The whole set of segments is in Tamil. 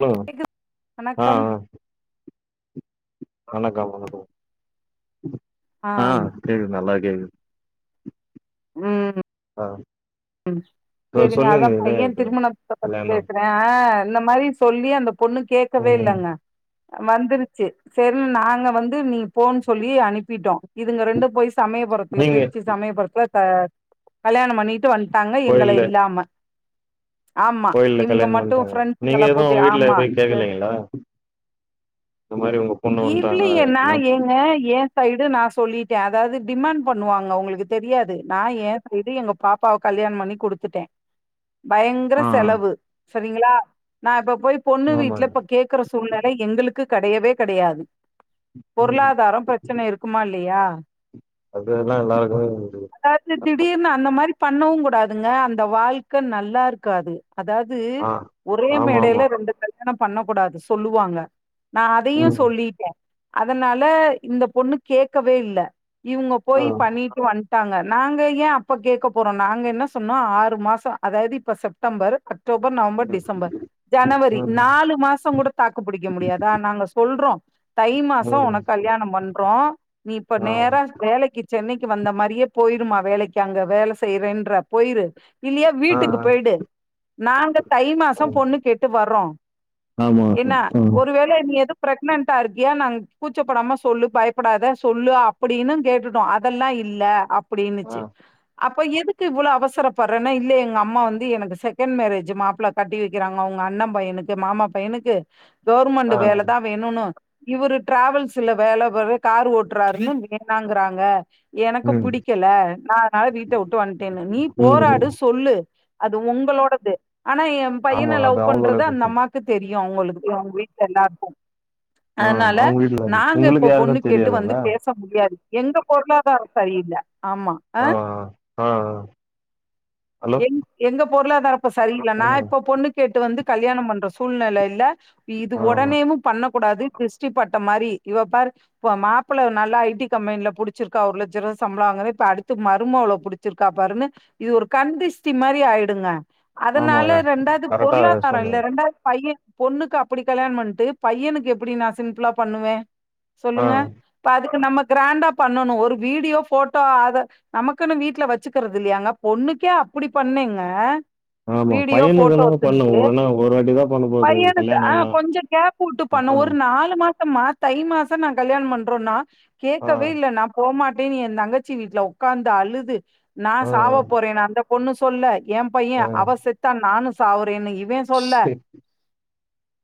ஹ வணக்கம் ஆஹ்ஹ வணக்கம் வணக்கம் ஆ ஆஹ் கெகுது நல்ல உம் உம் ஆ உம் இதோ சரிங்க அதா சொல்லிருந்தீங்களே பையன் அது திருமணத்த பத்தி கல்யாணோ பேசுற இந்த மாரி சொல்லி அந்த பொண்ணு கேட்கவே ம் இல்லைங்க வந்துருச்சு சரி நாங்க வந்து நீ போன்னு சொல்லி அனுப்பிட்டோ இதுங்க ரெண்டு போசு சமயபுரத்துல நீங்க திருச்சி சமயபுரத்துல கல்யாணம் பண்ணிட்டு வந்து தங்க எங்களை கோயில்ல இல்லாம ஆமா கோயில்ல இவங்க கல்யாணோ மட்டும் பண்ட்டாங்க நீங்க ப்ரெண்ட்ங்க எதுவு கூட்டி உங்க வீட்ல ஆமா போய் கேக்கலைங்களா இந்த மாரி உங்க பொண்ணு ஏ வந்ட்டாங்க பில்லய இலன என்ன பண் ஏங்க என் சைடு நான் சொல்லிட்டு அதாவது டிமாண்ட் பண்ணுவாங்க உங்களுக்கு தெரியாது நா ஏ செய்து எங்க பாப்பாவுக்கு கல்யாணம் பண்ணி குடுத்துட்ட பயங்கர ஆ செலவு ஆ. சரிங்களா நான் இப்ப போய் பொண்ணு வீட்டுல ஆமாங்க இப்ப கேக்குற சூழ்நிலை எங்களுக்கு க்கு கிடையவே கிடையாது ம் பொருளாதாரம் பிரச்சன இருக்குமா இல்லையா ஆ அதெல்லா எல்லாருக்குமே ஒரு கஷ்டம். அதாவது திடீர்னு அந்த மாரி பண்ணவும் கூடாதுங்க அந்த வாழ்க்க நல்லா இருக்காது அதாவது ஆ ஒரே ஆமா ஆமா மேடையில ரெண்டு கல் யாணம் பண்ண கூடாது சொல்லுவாங்க நா அதையு ம் சொல்லிட்ட அதனால இந்த பொண்ணு கேக்கவே இல்ல இவங்க ஆ போய் பண்ணிட்டு வந்து டாங்க நாங்க ஏன் அப்ப கேட்க போறோம் நாங்க என்ன சொன்னோ ஆறு மாசோ அதாது இப்ப September October November December ஜனவரி ம் நாலு மாசோ கூட தாக்கு பிடிக்க முடியாதா நாங்க சொல்றோம் தை மாசோ ம் ம். உனக்கு கல்யாணம் பண்றோ நீ இப்ப ஆ நேர வேலைக்கு சென்னைக்கு வந்த மாரியே போயிருமா வேலைக்கு அங்க வேல செய்றறேன்ற போயிரு இல்லையா ஆ ஆ வீட்டுக்கு போயிடு நாங்க தை மாசம் பொண்ணு கேட்டு வர்றோம் ஆமா என்ன ஆ ஒருவேள நீ எதும் ப்ரக்னென்ட்டா இருக்கியா நாங்க கூச்சப்படாம சொல்லு பயப்படாத சொல்லு அப்டின்னு கேட்டுட்டோம் அதெல்லாம் இல்ல அப் ஆ அப்டினுச்சு அப்ப எதுக்கு இவ்ளவு அவசரப்படுறேன்னா இல்ல எங்க அம்மா வந்து எனக்கு செகண்ட் மேரேஜ் மாப்பிளை கட்டி வைக்கிறாங்க அவுங்க அண்ணன் பையனுக்கு மாமா பையனுக்கு கவுர்மெண்ட் ஆ வேலதான் வேணும்னு இவரு ட்ராவல்ஸ்ல வேல போற கார் ஓட்டுறாருன்னு வேணாங்கறாங்க எனக்கு ம் பிடிக்கல நா அதனால வீட்டு ட்டா வூட்டு வந்துட்டேன்னு நீ ம் ம். போராடு சொல்லு அது உங்களோடது ஆனா என் பையன ஆமா லவ் அது அவங்களோட பண்றது அந்த பிரச்சன அம்மாக்கு தெரியும் அவங்களுக்கு அவங்க வீட்டுல எல்லாருக்கும் ஆ அதனால அவங்க வீட்ல அது நாங்க உங்களுக்கு இப்போ பொண்ணு யாருக்கு கேட்டு தெரியாதுல்ல வந்து பேச முடியாது எங்க பொருளாதார சரியில்ல ஆமா அ ஆ ஆ ஆ ஹலோ எங் எங்கப் பொருளாதார ம்ம் சரிங்களா நா ஆமாங்க இப்ப பொண்ணு கேட்டு வந்து கல்யாணம் பண்றது சூழ்நில இல்ல இது ஆமா உடனேயும் பண்ண கூடாது திருஷ்டி பட்ட மாரி இவ பாரு இ மாப்பல நல்லா ஐடி கம்பெனில புடிச்சிருக்கா ஒரு லட்சம் ரூபா சம்பளாங்க இப்ப அடுத்து மருமவள புடிச்சிருக்கா பாருங்க இது ஒரு கந்திஷ்ட்டி மாதிரி ஆயிடுங்க அதனால ஆமாங்க ரெண்டாவது கரெக்டா பொருளாதாரம் இல்ல சொன்னீங்க ரெண்டாவது பையன் பொண்ணுக்கு அப்டி கல்யாணம் பண்ணிட்டு பையனுக்கு எப்டி நான் சிம்பிளா பண்ணுவே ஆ சொல்லுங்க இப்ப அதுக்கு நம்ம கிராண்டா பண்ணணும் ஒரு வீடியோ போட்டோ அத நமக்குன்னு வீட்ல வச்சுக்கிறது இல்லையாங்க பொண்ணுக்கு க்கே அப்படி பண்ணீங்க ஆயா பையனுக்கு என்ன பண்ணவோ வேனா ஒரு வாட்டி தான் பண்ண போது பையனுக்கு ஆ கல்யாணல்லா ஆ மா தை மாசா நான் கல்யாணம் பண்றோன்னா ஆ கேக்கவே இல்ல நா போமாட் டின் ஏ தங்கச்சி வீட்ல ஒக்காந்து அழுது நா ஆ சாவ போறே நான் ஒண்ணு சொல்ல ஏ பையெ ஆ அவசெத்தா நானுஸ் சாவத் வேனு இவெ சொல்ல சே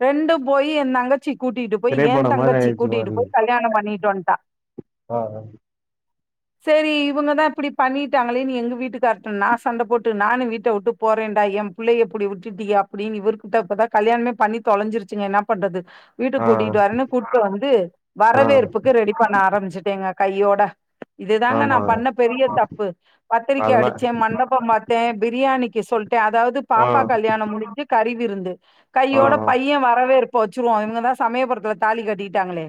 ரெண்டூ போயி எந்தங்கச் சி கூட்டிட்டு போய் திரைப்படம் மாரி ஏந்தங்கச்சி ஆயிடுச்சு கூட்டிட்டு மாரி போய் கல்யாணம் பண்ணிட் டொண்ட்டா ஆ அ செரி இவங்கதா இப்டி பண்ணிட்டாங்களேனு எங்க வீட்டுக்கார்ட்ட நா சண்ட போட்டு நானு வீட்ட விட்டு போறேன்டா எம்பிள்ளைய இப்டி விட்டுட்டிய அப்டின்னு இவருகிட்ட இப்பதா கல்யாணமே பண்ணி தொலைஞ்சிருச்சுங்க என்னாப் பண்றது ஆ வீட்டுக்கூட்டிட்டு வரன்னு கூட்டு வந்து ஆ வரவேற்புக்கு ரெடி பண்ண ஆரம்பிச்சிட்டேங்க கையோட இதுதாங்க நா ஆமாங்க பண்ண பெரிய தப்பு பத்திரிக்க அதெல்லா அடிச்சே மண்ட டே பிரியாணிக்கு சொல் எ அதாவ்து ஆ பாப்பா கல்யாணம் முடிஞ்சு கறிவிருந்து ஆ ஆ கையோட பையெ வரவேற்ப் பு வச்சிருவோ இவங்கதா சமயபுரத்துல தாலி கட்டிட்டாங்களே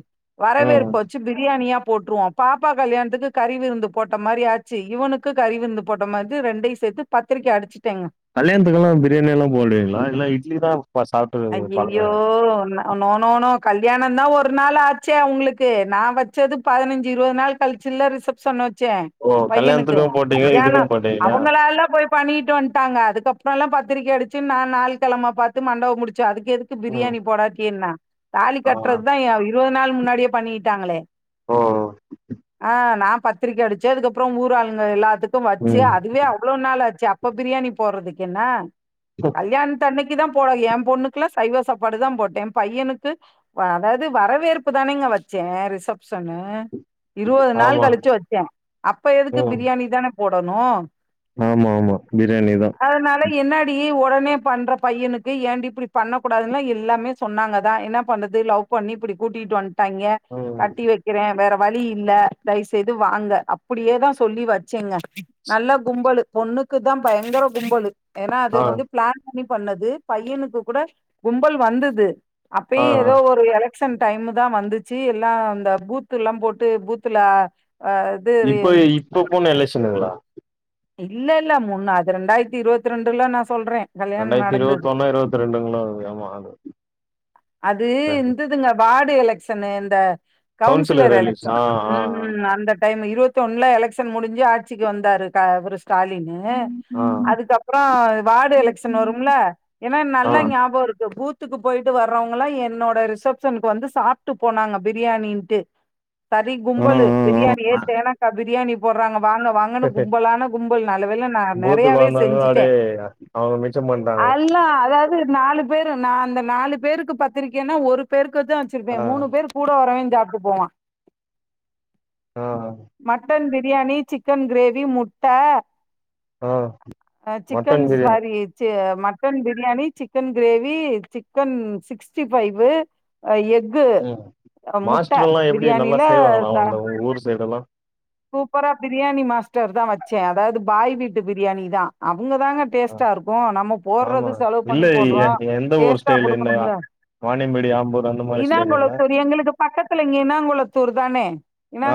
ம் வரவேற்ப வச்சி பிரியாணியா போட்ருவோ பாப்பா கல்யாணத்துக்கு கறிவிருந்து போட்ட மாரி ஆச்சி இவனுக்கு கறிவிருந்து போட்ட மாதி ரெண்டையு சேத்து பத்திரிக்க அடிச்சிட்டேங்க கல்யாணத்துக்கலா பிரியாணி எல்லா போடுவிங்ளா இல்ல இட்லி தா சாப்ட்டு பழக்க அய்யையோ நா நோ நோ நோ கல்யாணந்தா ஒரு நாள் ஆச்சே அவுங்ளுக்கு நா வச்சது பதினஞ்சு இருவது நாள் கழிச்சில்ல ரிசப்ஷனு சே ஓ பையனுக்கு கல்யாணத்துக்கு போட்டீங்க கல்யாணோ இதுக்கு போட்டீங்களா அவங்களால்ல போய் பண்ணீட்டு வந்ட்டாங்க அதுக்கப்றொல்லா பாத் திரிக்க அடிச்சி நா நாள் கெழமை பாத்து மண்டவொ முடிச் [unintelligible] எதுக்கு ம் பிரியாணி போடாட்டி என்ன தாலி ஆ கட்றத் தா ஏ இருவது நாள் முன்னாடியே பண்ணிகிட்டாங்களே ஓ ஆஹ் நா பத்திரிக்க அடிச்சி அதுக்கப்றொ ஊர் ஆளுங்க எல்லாத்துக் கு வச்சி ம் அதுவே அவ்ளோ நாள் ஆச்சி அப் இப்ப பிரியாணி போடுறதுக்கென்ன கல்யாணத்து அன்னைக்கு நீ தா போல ஏ பொண்ணு குலா சைவ சாப்பாடு தா போட்ட பையனுக்கு அதாது வரவேற்பு தானேங்க வச்ச ரிசப்ஷன்னு இருபது நாள் ஆமா கழிச்சு வச்ச அப்ப எதுக்கு ம் பிரியாணி தானே போடணு ஆமா ஆமா பிரியாணி தா அதனால என்னாடி உடனே பண்ற பையனுக்கு ஏண்டி இப்டி பண்ணக்கூடாது எல்லாமே சொன்னாங்கதா என்ன பண்றது லவ் பண்ணி இப்பிடி கூட்டிட்டு வந் துட்டாங்க ம் கட்டி வைக்கிற வேற வழி இல்ல தயவுசெய்து வாங்க அப்பிடியே தா சொல்லி வச்சேங்க நல்ல கும்பலு பொண்ணுக்கு தா பயங்கர கும்பலு ஏனா அது ஆ வந்து ஆ பிளான் பண்ணி பண்ணது பையனுக்கு கூட கும்பல் வந்துது அப்பயே ஆ ஏதோ ஒரு எலக் க்ஷன் டைம்ல தா வந்துச்சு எல்லா இந்த பூத்து எல்லா போட்டு பூத்துல இது இப்ப இப்ப போன எலெக்ஷன்ங்களா இல்ல இல்ல முன்ன அது ரெண்டாயிரத்தி இருபத்தி ரெண்டுல நா சொல்ற ரெண்டாயிரத்தி இருவத்தி ஒண்ணா இருவத்தி ரெண்டுங்களா ஆமா அது அது இந்துதுங்க வார்டு எலெக்ஷன் இந்த கவுன்சிலர் எலெக்ஷன் எலக்ஷன் ஆ ஆ ஆ உம் அந்த டைம் இரு வத்தி ஒன்ல எலெக்ஷன் முடிஞ்சு ஆட்சிக்கு வந்தாரு இவரு ஸ்டாலினு ஆ அதுக்கப்ரோ வார்டு எலக்ஷன் வரும்ல ஏனா ஆ ஆ நல்லா ஞாபகம் இருக்கு பூத் துக்கு போயிட்டு வர அப்ரோ அவங்ஙலா என்னோட ரிசபஷனுக்கு வந்து சாப்ட்டு போனாங்க பிரியாணின்ட்டு. சரி ஆமா கும்பலு பிரியாணிய தேனக்கா பிரியாணி. போடுறாங்க வாங்க வாங்கனு கும்பலான கும்பல். நல்ல வேல நா பூத்துக்கு நெறையவே வந்தாங்க செஞ்சுட்ட. அடே அவங்க மிச்சம் பண்ட்டாங்க அல்லா அதுஅது நாலு பேரு நா அந்த நாலு பேருக்கு பத்திரிக்கையன்னா ஒரு பேருக்க அதுக்குதான் வச்சிருப்ப ஆ மூணு பேரு கூட வரவேண்ட ஜாப்ட்டு போவா ஆ மட்டன் பி பிரியாணி சிக்கன் கிரேவி முட்ட ஆ அஹ் சிக்கன் மட்டன் பிரியாணி சரி ச்ச mutton biryani chicken gravy chicken sixty five ஆஹ் யேகு ம் கு முட்ட மாஸ்டர் எல்லா எப்டி நல்லா பிரியானில செய்வாங்களா தா அந்த உங்க ஊர் சைடு எல்லா சூப்பரா பிரியாணி மாஸ்டர்தா வச்ச அதாவது பாய் வீட்டு பிரியாணி தா அப் உங்க தாங்க டேஸ்ட்டா இருக்கு நம்ம ஆமா போடுறது செலவு பண்ணி இல்ல எ போடுறோம் எந்த ஊர் டேஸ்டா ஸ்டைல் கொடு [inaudible] இந்த வாணியம்பேடி ஆம்பூர் அந்த மாரி ஸ்டைலுங்களா இனாங்குளத்தூர் எங்களுக்கு பக்கத்துல இங்க இனாங்குளத்தூர் தானே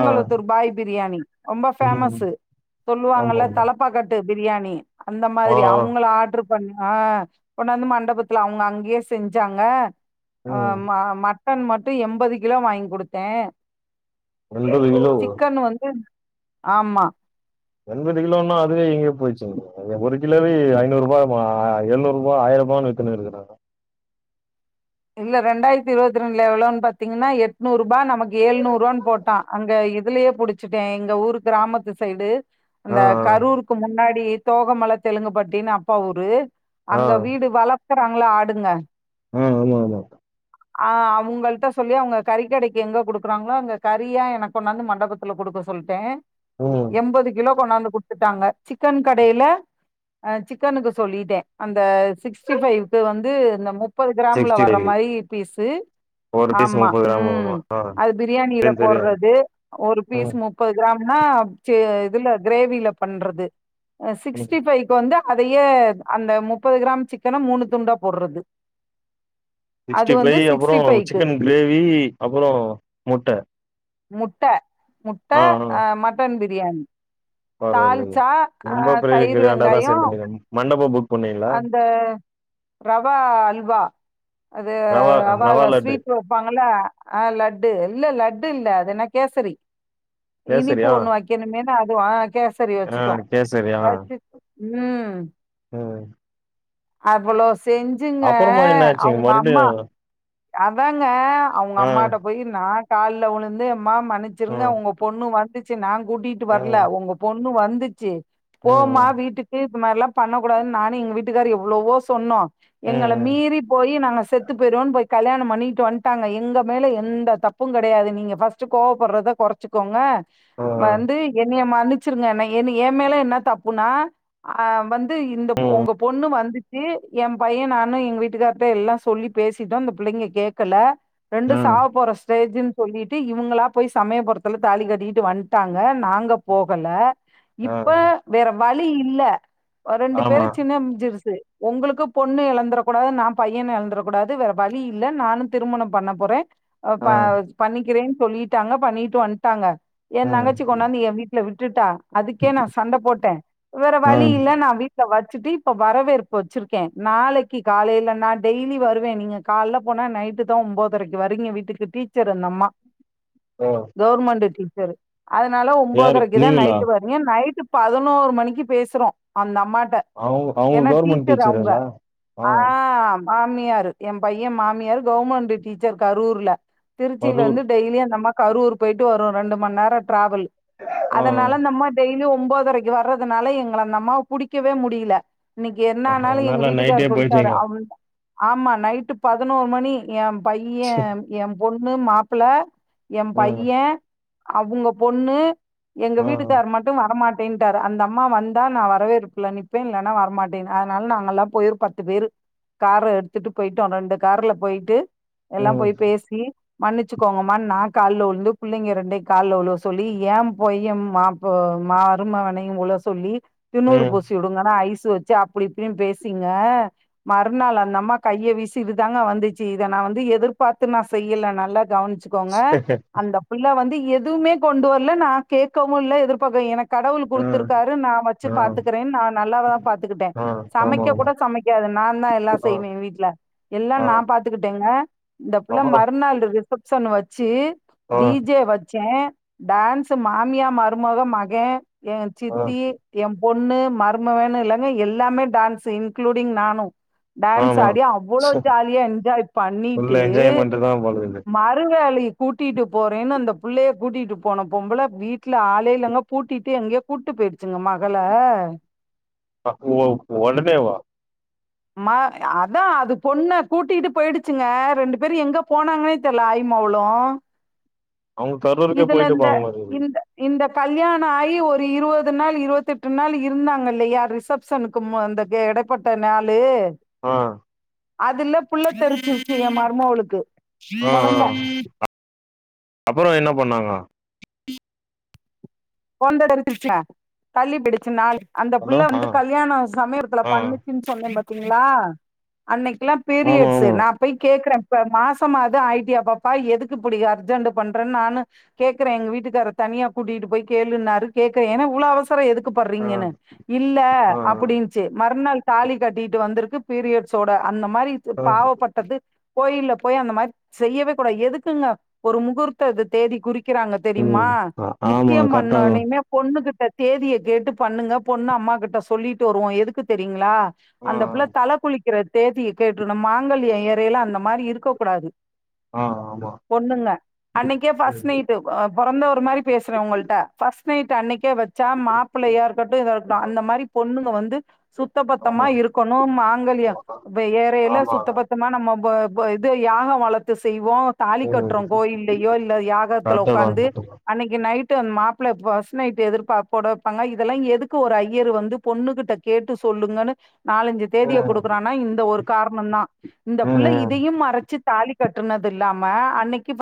ஆ பாய் பிரியாணி ரொம்ப ம் பேமஸ்ஸு சொல்லுவாங்கல்ல ஆமாங்க தலைப்பாக்கட்டு பிரியாணி அந்த ஆ மாதிரி அவங்கள ஆட்ரு ஆஹ் கொண்டாந்து மண்டபத்துல அவங்க அங்ஙே செஞ்சாங்க ஆ மா மா மட் டன் மட்டு எண்பது கிலோ வாங்கி கொடுத்த ரெண்டு வீலோ ஆமா எண்பது கிலோன்னா அதுவே எங்கயோ போயிச்சு ஒரு கிலோவே ஐநூறு ரூபா, எழுநூறு ரூபாய், ஆயிரம் ரூபான்னு வித்துனு இருக்கிறாங்க. இல்ல ரெண்டாயிரத்தி இருபத்தி ரெண்டுல எவ்ளோன்னு பாத்தீங்கன்னா எட்நூறு ரூபா, நமக்கு ஏழுநூறு ரூவான்னு போட்டா. அங்க இதுலயே புடிச்சட்ட. எங்க ஊர் கிராமத்து சைடு ஆ அந்த கரூருக்கு முன்னாடி தோகமல தெலுங்குபட்டினு அப்பா ஊரு ஆ ஆ அங்க வீடு வல க்கறாங்கள ஆடுங்க உம் ஆமா ஆமா ஆஹ் அவங்கள்ட்ட சொல்லி அவங்க கறி கடைக்கு எங்க கொடுக்குறாங்களோ அங்க கறியா எனக்கு கொண்டாந்து மண்டபத்துல கொடுக்க சொல்ட ம் எண்பது கிலோ கொண்டாந்து கொடுத்துட்டாங்க சிக்கன் கடைல சிக்கனுக்கு சொல்லிட்டே. அந்த சிக்ஸ்டிபைக்கு வந்து இந்த முப்பது கிராம்பு சிக்ஸ்டி வர ஃபைவ் மாதிரி பீசு ஒரு பீஸ் ஆமா முப்பது கிராம் உம் ஆமா ஆ அது பிரியாில தெரியு தெரியு போடுறது ஒரு பீசு ம் முப்பது கிராம் ஆனா ச இதுல கிரேவில பண்றது ம் சிக்ஸ்டி ஃபைவ்க்கு வந்து அதையே அந்த முப்பது கிராம் சிக்கன மூணு துண்டா போடுறது அது சிக்ஸ்டி வந்து பைவ் அப்ரோ சிக்கன் கிரேவி அப்ரோ முட்ட முட்ட முட்ட, ஆஹ்ஹ் அ மட்டன் பிரியாணி தால்ச்சா ரொம்ப அஹ் பெரிய தயிர் வெங்கா கிராண்டாதா யோ செஞ்சீங்க மண்டபோ புக் பண்ணீங்களா அந்த ரவா அல்வா அது ரவா அல்வா ஸ்வீட் வைப்பாங்கள அஹ் லட்டு இல்ல லட்டு டுல்ல அது என்ன கேசரி இனிப்பு கேசரியா ஒண்ணு வெக்கணுமே அது கேசரி ஆ வச்சுட்டோ கேசரியா வச்சுட்டு உம் ம் அவ்வளோ செஞ்சுங்க அப்புறமா என்னாச்சுங்க அவங்க மறுபடியு அம்மா அதாங்க அவங்க ஆ அம்மாட்ட போயி நா கால்ல உழுந்து எ மா ஆ மன்னிச்சிருங்க உங்க பொண்ணு வந்து ச்சி நாங்க கூட்டிட்டு வரல ம் உங்க பொண்ணு வந்துச்சு போமா ம் வீட்டுக்கு இது மாரில்லா பண்ணக் கூடாதுன்னு நானு எங்க வீட்டுக்காரு எவ்ளவோ சொன்னோ ம் எங்கள ம் மீறி போய் நாங்க செத்து போயிடுவோன்னு போய் கல்யாண பண்ணிக்கிட்டு வன்ட்ட்டாங்க எங்க மேல எந்த தப்பும் கெடையாது நீங்க ஃபஸ்ட்டு கோவப்பட்றத கொறச்சிக்கோங்க ஆ வந்து என்னைய மன்னிச் ச்சிருங்க என்ன ஏ மேல என்ன தப்புனா ஆ வந் து இந்த ம் உங்க பொண்ணு வந்து து ஏ பையன நானு எங்க வீட்டுக்கார் தா எல்லா சொல்லி பேசிட்டோ அந்த புள்ளைங்க கேக்கல ரெண்டு ம் சாவ போற ஸ்டேஜுன்னு சொல்லிட் தி இவங்களா போய் சமயபுரத்துல தாலி கட்டிட்டு வன்ட்டாங்க நாங்க போ ல்ல ஆ இப்ப வேற வழி ழி இல்ல ஒரு ரெண்டு பேரு ஆமா சின்னஞ்சிருசு உங்களுக்கு பொண்ணு எழந்துற கூடாது நா பையன எழந்துற கூடாது வேற வழி இல்ல நானு திருமணம் பண்ண போறே ஆ ப பண்ணிக்கிறேன் சொல்லிட்டாங்க பண்ணிட்டு வன்ட்டாங்க ஏ ம் தங்கச்சி கொண்ணாந்து நீ ஏ வீட் விட்டுட்டா அதுக்கே நா சண்டப் போட்டே வேற வழி ம் இல்ல நா வீட்ல வச் சித்தி இப்ப வரவேற்பு வச்சிருக்கே நாளைக்கு காலைல நா டெய்லி வருவே நீங்க காலல போனா நைட்டு தா ஒம்போதரைக்கு வரீங்க வீட்டுக்கு டீச்சரு அந்தம்மா ஓ கவர்மெண்டு டீ [inaudible] அதனால யாரு ஒம்போதரைக்கு இதா நீங்களா நைட்டு வரீங்க நா நைட்டு பதினோரு மணிக்கு பேசுறோ அந்தம் அமாட்ட அவங்க அவங்க ஏனா கவர்மெண்ட் டீச்சர் அவங்க டீச்சருங்களா ஆ மாமியார் எ பையன் மாமியார் கவர்மெண்ட் டீச்சர் கரூர்ல திருச்சியில கரூர் வந்து டெய்லியு அந்தம்மா கரூர் போயிட்டு வரும் ரெண்டு மணி நேரம் டிராவல் ஆ அதனால ஆ நம்ம டெய்லி ஒம்போதரைக்கு வர்றதுனால எங்கள அந்த அம்மாவ புடிக்கவே முடியல இன்னைக்கு என்னானாலும் எங்க அதனால நைட்டே வீட்டுக்காரர் சொல்லிட்டாரு போயிட்டீங்க அவனு ஆமா நைட்டு பதினோரு மணி என் பையன் என் பொண்ணு மாப்பிள்ள என் ம் பையன் அவங்க பொண்ணு எங்க ஆ வீட்டுக்காரர் மட்டும் வரமாட் பென்டாரு அந்த அம்மா வந்தா? நான் வரவேற்ப்ல நிப்பேன் இல்லன்னா வரமாட்டேன்னு அதனால நாங்கள் லாம் போயிரு பத்து பேர் கார எடுத்துட் போயிட்டோ ரெண்டு கார்ல போயிட்டு எல்லா ம் போய் பேசி மன்னிச்சுக்கோங்கம்மா நா கால்ல உழுந்து புள்ளைங்க இரண்டையு கால்ல ஒழுக சொல்லி ஏ பொயும் மாப்பு மா ருமவனையு உள சொல்லி திண்ணூறு ம் பூசி விடுங்கன்னா ஐஸ் வச்சு அப்படி இப்படினு பேசீங்க மறுநாள் அந்தம்மா கைய வீசிது தாங்க வந்துச்சு இத நா வந்து எதிர்பார்த்து நா செய்யல நல்லா கவனிச் ச்சுக்கோங்க அந்த புள்ளை வந்து எதுவுமே கொண்டு வரல நா கேட்கவு இல்ல எதிர்பார்க எனக்கு கடவுள் ம் குடுத்துருக்காரு நா வச்சு ஆ பாத்துக்கற நா நல்லாதா பாத்துக்கிட்ட ஆ ஆ ஆமா சமைக்க ஆமா கூட சமைக்காது நா தா எல்லா ஆ செய்வேன் வீட்டுல எல்லா ஆ நா தா பாத்துக்கிட்டேங்க இந்தப்புள்ள அப்புறோ மறுநாள் ரிப்பப் சொன்னவச்சு ஆ டீஜே வச்சே டான்ஸ் மாமியா மருமக மகே எ ஆ சித்தி எம் பொண்ணு மருமவேணு இல்லங்க எல்லாமே டான்ஸு இன்குளூடிங் நானு ஆமா டான்ஸாடி அவ்வளோ ச ஜாலியா என்ஜாய் பண்ணிட்டு ஃபுல் என்ஜாய்மெண்ட் தா போல இது மறு வேலை கூட்டிட்டு போறேன்னு அந்தப்புள்ளைய கூட்டிட்டு போன பொம்பள வீட்ல ஆளேயில்லங்க பூட்டிட்டு எங்கயோ கூட்டு போயிருச்சுங்க மகள அ ஒ ஒடனேவா மா அதா அது பொண்ண கூட்டிட்டு பொயிடுச்சுங்க ரெண்டு பேரு எங்க போனாங்னே தெர்ல ஐமவளு அவ்ங்க கரூருக்கே பொயிட்டுப்பாங்க பழையபடி இந்த இந்த கல்யாண ஆயி ஒரு இருவது நாள் இருவத்தெட்டு நாள் இருந்தாங்கல்லையா ரிசப்ஷனுக்கு மொ அந்த எடப்பட்ட நாள் ளு ஆ அதுல புள்ள தெரிச்சிறுச்சு எ மருமவளுக்கு கொலந்த அப்ரோ என்ன பண்ணாங்க கொந்தட இருச்சச்சன் தள்ளி பிடிச்சு நாாலு அந்த ஹலோ பிள்ள ஆ வந்து கல்யாண சமயத்துல ஆ பண்ணுச்சுன்னு சொன்னா பாத் ங்களா அன்னைக்குெல்லா ஆமா பீரியட்ஸ் ஆமா நா போய் கே்கற இப்ப மாசமாாவது ஆயிட்டியா பாப்பா எதுக்கு பிடி அர்ஜென்ட் பண்றேன்னு நானு கேக்குற எங்க வீட்டுக்கார தனியா கூட்டிகிட்டு போய் கேளுாரு கேக்குறன்ன்னா உள அவசம் எதுக்கு ஆ படுறீங்கன்னு இல்ல ஆ அப்படின்ச்சு மறுநாள் தாலி கட்டிட்டு வந்திருக்கு பீரியட்ஸோட அந்த மாரி ஆ ஆ. பாவப்பட்டது கோயிலல போய் அந்த மாரி செய்யவே கூடா எதுக்குங்க ஒரு முகூர்த்த இது தேதி குறிக்க கிறாங்க தெரியுமா ம் அ ஆமா மண்ண கரெக்டா தா நீமே பொண்ணுகிட்டு தேதியை கேட்டு பண்ணுங்க பொண்ணு அம்மா கிட்ட சொல்லிட்டு வருவோ எதுக்கு தெரியங்களா ஆ அந்த புள்ள தலை குளிக்க இருக்கிற தேதியை கேட்டுனு மாங்கல்யம் இறையலா அந்த மாதிரி இருக்க கூடாது ஆ ஆமா பொண்ணுங்க அன்னைக்கே ஆமா பர்ஸ்ட் ம். நைட்டு பிறந்த ஒரு மாதிரி பேச உங்கள்கிட்ட பர்ஸ்ட் நை் அன்னைக்கே வச்சு சா மாப்பிள்ளயா இருக்கட்டு தா இருக்கட்டு ஆ, அந்த மாரி பொண்ணுங்க வந்து து சுத்த பத்தமா ஆமா இருக்கணும் மாங்கிலயம் ஏரியையில சுத்த ஆமாங்க. பத்தமா நம்ம இது யாகம் வளர்த்து செய் தாலி ம் கட்டுறோ கோயிலயோ இல்ல யாகத்தில் கரெக்ட் தா உக்காந்து கரெக்ட் தா அன்னைக்கு நைட் ந்த மாப்பிள்ள பஸ்ட் நைட்டு எதிர போட வப்பாங்க இதெல்லாம் எதுக்கு ஒரு ஐயர் வந்து பொண்ணு கிட்ட கேட்டு சொல்லுங்கன்னு நாலஞ்சு தேதிய ம் கொடுக்குறான்னா இந்த ஒரு காரணம் தா இந்த ம் புள்ள ம். இதையு மரச்சி தாலி கட்டுனது இல்லாம அன்னைக்கு